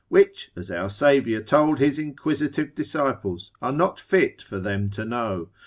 which, as our Saviour told his inquisitive disciples, are not fit for them to know.